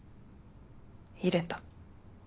入れた。